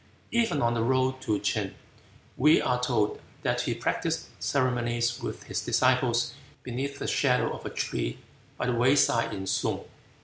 Even on the road to Ch'in we are told that he practised ceremonies with his disciples beneath the shadow of a tree by the wayside in Sung.